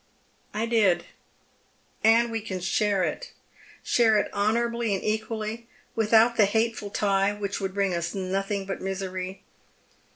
" I did. And we can share it. Share it honourably and equally, without the hateful tie which would bring us nothing but misery.